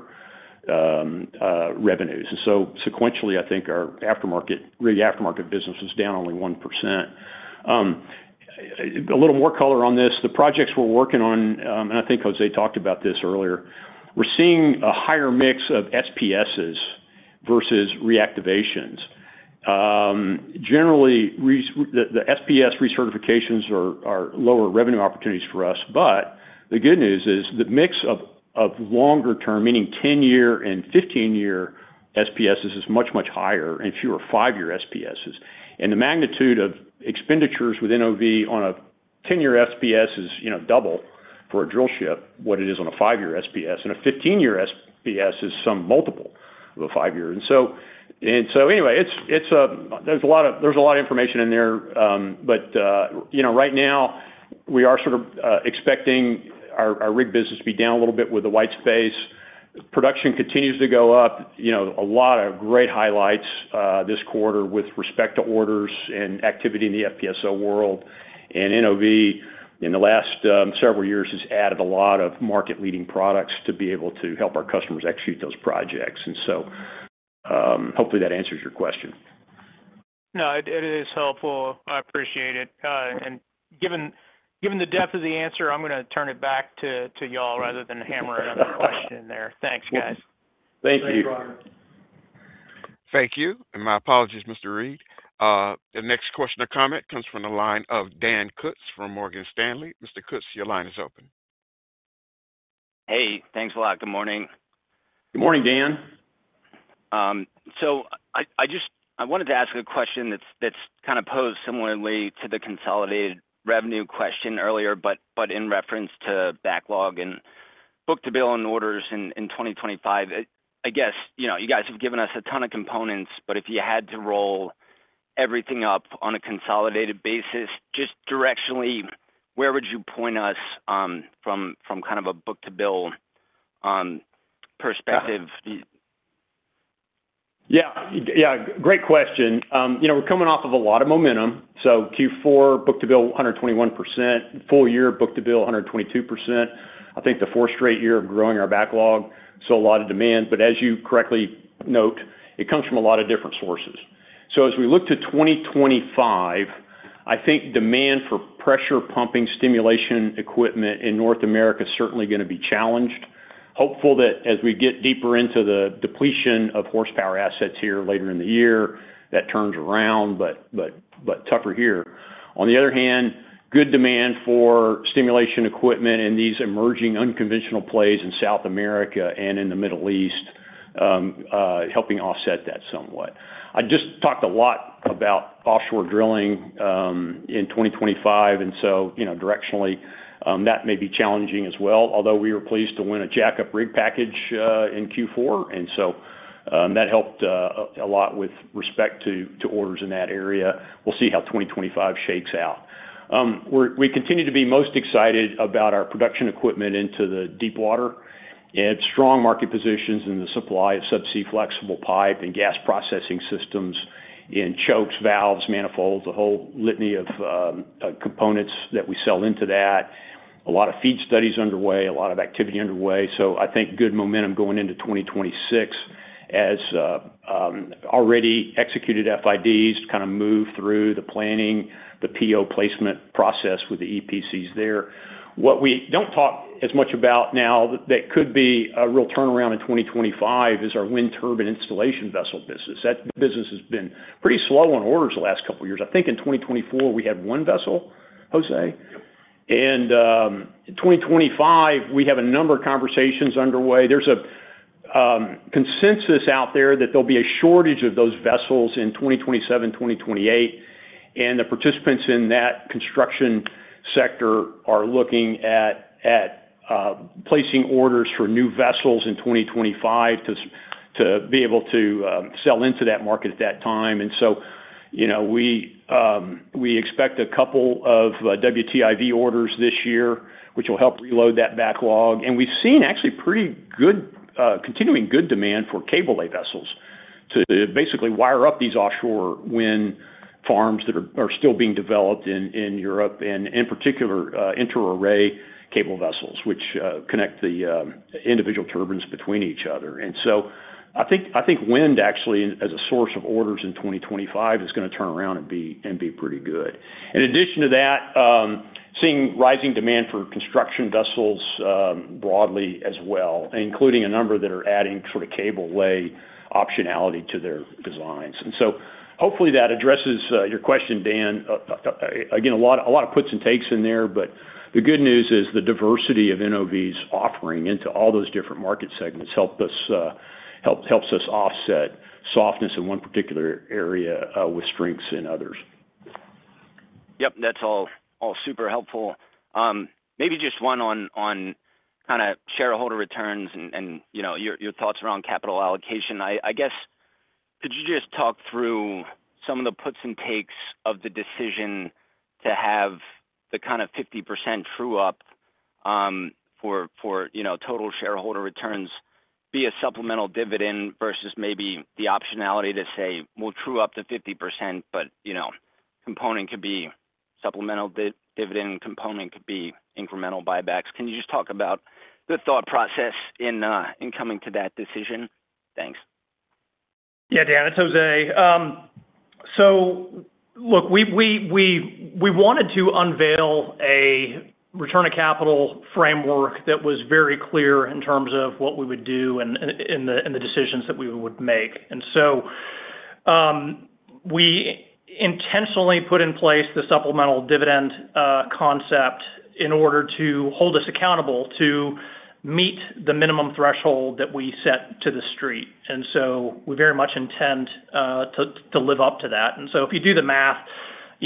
revenues. And so sequentially, I think our rig aftermarket business was down only 1%. A little more color on this. The projects we're working on, and I think Jose talked about this earlier, we're seeing a higher mix of SPSs versus reactivations. Generally, the SPS recertifications are lower revenue opportunities for us. But the good news is the mix of longer-term, meaning 10-year and 15-year SPSs is much, much higher and fewer five-year SPSs. And the magnitude of expenditures with NOV on a 10-year SPS is double for a drill ship what it is on a five-year SPS. And a 15-year SPS is some multiple of a five-year. And so anyway, there's a lot of information in there. But right now, we are sort of expecting our rig business to be down a little bit with the white space. Production continues to go up. A lot of great highlights this quarter with respect to orders and activity in the FPSO world. And NOV in the last several years has added a lot of market-leading products to be able to help our customers execute those projects. And so hopefully that answers your question. No, it is helpful. I appreciate it. And given the depth of the answer, I'm going to turn it back to y'all rather than hammer in another question in there. Thanks, guys. Thank you. Thank you. And my apologies, Mr. Read. The next question or comment comes from the line of Dan Kutz from Morgan Stanley. Mr. Kutz, your line is open. Hey, thanks a lot. Good morning. Good morning, Dan. I wanted to ask a question that's kind of posed similarly to the consolidated revenue question earlier, but in reference to backlog and book-to-bill and orders in 2025. I guess you guys have given us a ton of components, but if you had to roll everything up on a consolidated basis, just directionally, where would you point us from kind of a book-to-bill perspective? Yeah. Yeah. Great question. We're coming off of a lot of momentum. So Q4, book-to-bill 121%. Full year, book-to-bill 122%. I think the fourth straight year of growing our backlog. So a lot of demand. But as you correctly note, it comes from a lot of different sources. So as we look to 2025, I think demand for pressure pumping stimulation equipment in North America is certainly going to be challenged. Hopeful that as we get deeper into the depletion of horsepower assets here later in the year, that turns around, but tougher here. On the other hand, good demand for stimulation equipment in these emerging unconventional plays in South America and in the Middle East helping offset that somewhat. I just talked a lot about offshore drilling in 2025, and so directionally, that may be challenging as well, although we were pleased to win a jack-up rig package in Q4, and so that helped a lot with respect to orders in that area. We'll see how 2025 shakes out. We continue to be most excited about our production equipment into the deepwater. It's strong market positions in the supply of subsea flexible pipe and gas processing systems in chokes, valves, manifolds, a whole litany of components that we sell into that. A lot of feed studies underway, a lot of activity underway. So I think good momentum going into 2026 as already executed FIDs kind of move through the planning, the PO placement process with the EPCs there. What we don't talk as much about now that could be a real turnaround in 2025 is our wind turbine installation vessel business. That business has been pretty slow on orders the last couple of years. I think in 2024, we had one vessel, Jose. And in 2025, we have a number of conversations underway. There's a consensus out there that there'll be a shortage of those vessels in 2027, 2028. And the participants in that construction sector are looking at placing orders for new vessels in 2025 to be able to sell into that market at that time. And so we expect a couple of WTIV orders this year, which will help reload that backlog. And we've seen actually pretty good continuing good demand for cable-lay vessels to basically wire up these offshore wind farms that are still being developed in Europe, and in particular, interarray cable vessels, which connect the individual turbines between each other. And so I think wind actually as a source of orders in 2025 is going to turn around and be pretty good. In addition to that, seeing rising demand for construction vessels broadly as well, including a number that are adding sort of cable-lay optionality to their designs. And so hopefully that addresses your question, Dan. Again, a lot of puts and takes in there, but the good news is the diversity of NOV's offering into all those different market segments helps us offset softness in one particular area with strengths in others. Yep. That's all super helpful. Maybe just one on kind of shareholder returns and your thoughts around capital allocation. I guess could you just talk through some of the puts and takes of the decision to have the kind of 50% true-up for total shareholder returns be a supplemental dividend versus maybe the optionality to say, "We'll true up to 50%, but component could be supplemental dividend, component could be incremental buybacks"? Can you just talk about the thought process in coming to that decision? Thanks. Yeah, Dan. It's Jose. So look, we wanted to unveil a return of capital framework that was very clear in terms of what we would do and the decisions that we would make. And so we intentionally put in place the supplemental dividend concept in order to hold us accountable to meet the minimum threshold that we set to the street. And so we very much intend to live up to that. And so if you do the math,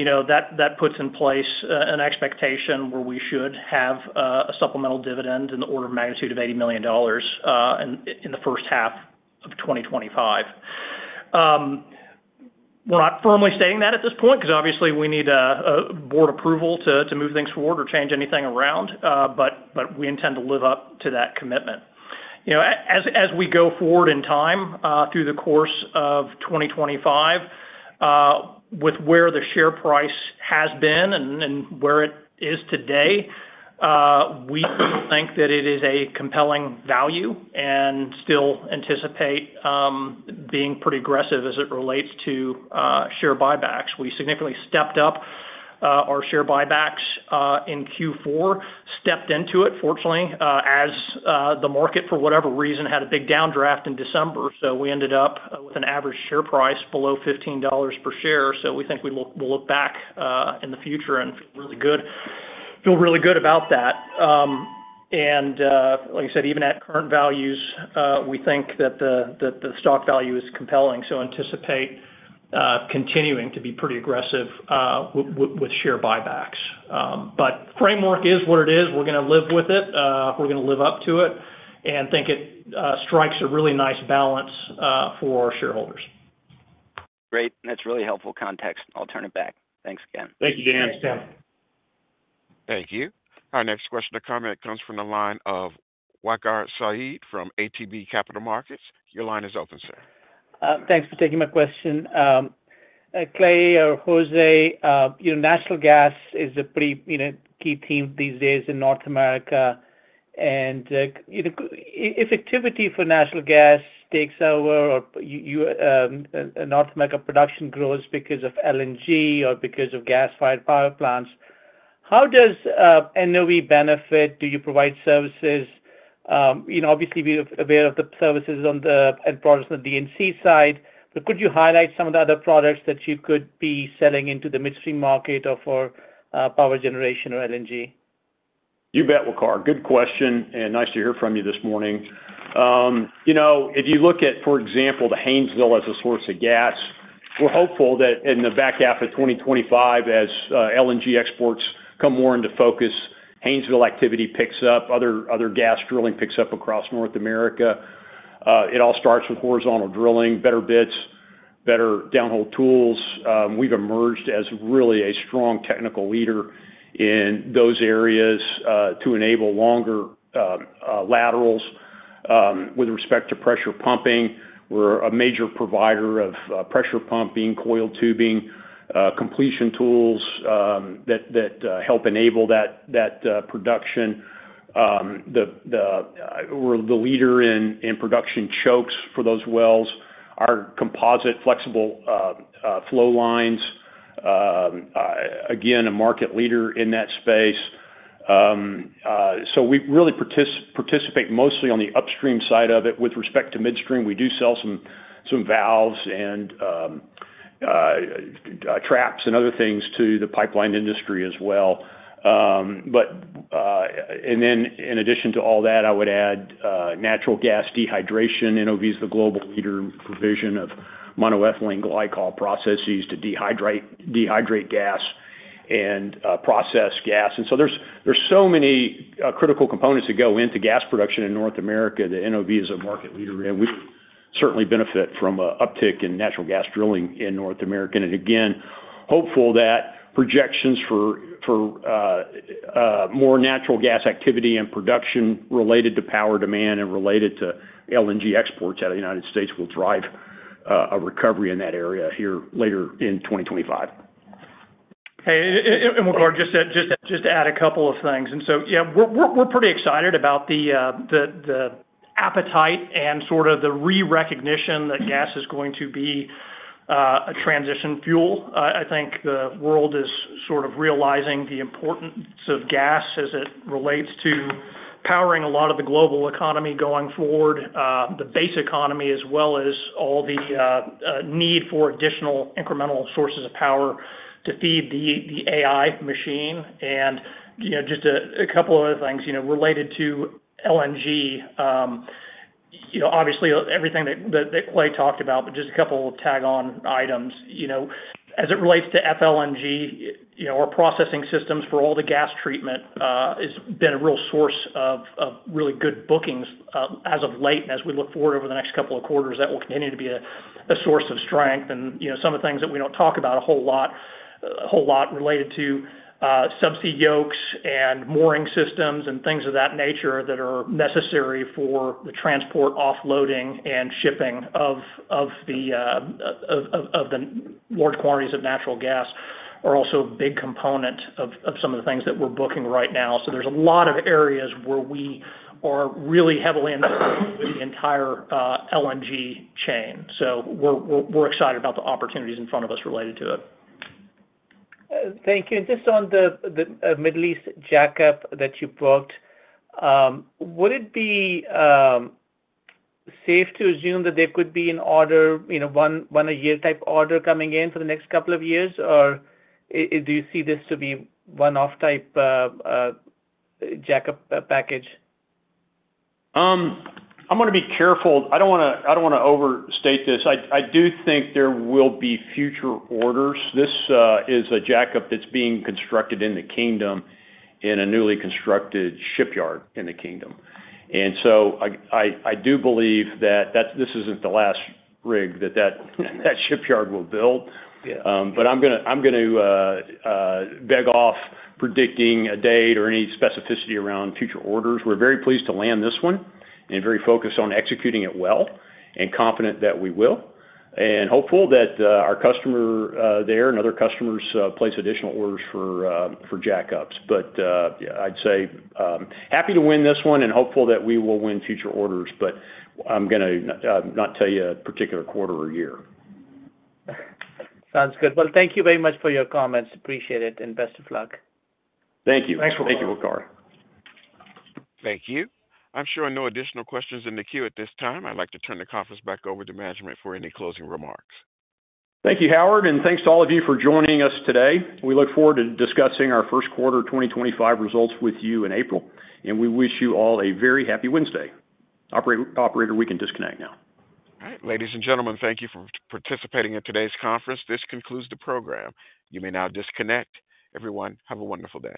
that puts in place an expectation where we should have a supplemental dividend in the order of magnitude of $80 million in the first half of 2025. We're not firmly stating that at this point because obviously we need board approval to move things forward or change anything around, but we intend to live up to that commitment. As we go forward in time through the course of 2025, with where the share price has been and where it is today, we think that it is a compelling value and still anticipate being pretty aggressive as it relates to share buybacks. We significantly stepped up our share buybacks in Q4, stepped into it, fortunately, as the market for whatever reason had a big downdraft in December. So we ended up with an average share price below $15 per share. So we think we'll look back in the future and feel really good about that. And like I said, even at current values, we think that the stock value is compelling. So anticipate continuing to be pretty aggressive with share buybacks. But framework is what it is. We're going to live with it. We're going to live up to it and think it strikes a really nice balance for our shareholders. Great. That's really helpful context. I'll turn it back. Thanks again. Thank you, Dan. Thank you. Our next question or comment comes from the line of Waqar Syed from ATB Capital Markets. Your line is open, sir. Thanks for taking my question. Clay or Jose, natural gas is a pretty key theme these days in North America. And if activity for natural gas takes over or North America production grows because of LNG or because of gas-fired power plants, how does NOV benefit? Do you provide services? Obviously, we're aware of the services and products on the D&C side. But could you highlight some of the other products that you could be selling into the midstream market or for power generation or LNG? You bet, Waqar. Good question. Nice to hear from you this morning. If you look at, for example, the Haynesville as a source of gas, we're hopeful that in the back half of 2025, as LNG exports come more into focus, Haynesville activity picks up. Other gas drilling picks up across North America. It all starts with horizontal drilling, better bits, better downhole tools. We've emerged as really a strong technical leader in those areas to enable longer laterals with respect to pressure pumping. We're a major provider of pressure pumping, coiled tubing, completion tools that help enable that production. We're the leader in production chokes for those wells, our composite flexible flow lines. Again, a market leader in that space. So we really participate mostly on the upstream side of it. With respect to midstream, we do sell some valves and traps and other things to the pipeline industry as well. Then in addition to all that, I would add natural gas dehydration. NOV is the global leader in the provision of monoethylene glycol processes to dehydrate gas and process gas. So there's so many critical components that go into gas production in North America that NOV is a market leader. We would certainly benefit from an uptick in natural gas drilling in North America. Again, hopeful that projections for more natural gas activity and production related to power demand and related to LNG exports out of the United States will drive a recovery in that area here later in 2025. Hey, and Waqar, just to add a couple of things. So, yeah, we're pretty excited about the appetite and sort of the re-recognition that gas is going to be a transition fuel. I think the world is sort of realizing the importance of gas as it relates to powering a lot of the global economy going forward, the base economy, as well as all the need for additional incremental sources of power to feed the AI machine. And just a couple of other things related to LNG, obviously everything that Clay talked about, but just a couple of tag-on items. As it relates to FLNG, our processing systems for all the gas treatment has been a real source of really good bookings as of late. And as we look forward over the next couple of quarters, that will continue to be a source of strength. Some of the things that we don't talk about a whole lot related to subsea yokes and mooring systems and things of that nature that are necessary for the transport, offloading, and shipping of the large quantities of natural gas are also a big component of some of the things that we're booking right now. So there's a lot of areas where we are really heavily involved with the entire LNG chain. So we're excited about the opportunities in front of us related to it. Thank you. Just on the Middle East jack-up that you brought, would it be safe to assume that there could be an order, one-a-year type order coming in for the next couple of years, or do you see this to be one-off type jack-up package? I'm going to be careful. I don't want to overstate this. I do think there will be future orders. This is a jackup that's being constructed in the kingdom in a newly constructed shipyard in the kingdom. And so I do believe that this isn't the last rig that that shipyard will build. But I'm going to beg off predicting a date or any specificity around future orders. We're very pleased to land this one and very focused on executing it well and confident that we will. And hopeful that our customer there and other customers place additional orders for jackups. But I'd say happy to win this one and hopeful that we will win future orders, but I'm going to not tell you a particular quarter or year. Sounds good. Well, thank you very much for your comments. Appreciate it and best of luck. Thank you. Thanks for watching. Thank you, Waqar. Thank you. I'm sure no additional questions in the queue at this time. I'd like to turn the conference back over to management for any closing remarks. Thank you, Howard, and thanks to all of you for joining us today. We look forward to discussing our first quarter 2025 results with you in April, and we wish you all a very happy Wednesday. Operator, we can disconnect now. All right. Ladies and gentlemen, thank you for participating in today's conference. This concludes the program. You may now disconnect. Everyone, have a wonderful day.